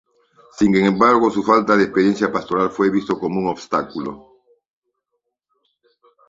Sin embargo, su falta de experiencia pastoral fue visto como un obstáculo.